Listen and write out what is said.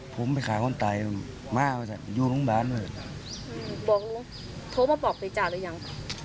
โทรมาบอกมีจ่ายหรือยัง